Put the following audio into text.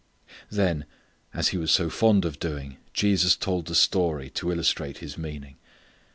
Then as He was so fond of doing Jesus told a story to illustrate His meaning.